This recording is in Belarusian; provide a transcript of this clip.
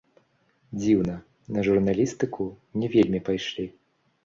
Дзіўна, на журналістыку не вельмі пайшлі.